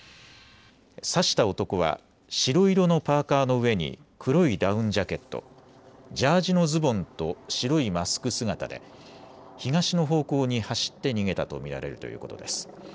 刺した男は白色のパーカーの上に黒いダウンジャケット、ジャージのズボンと白いマスク姿で、東の方向に走って逃げたと見られるということです。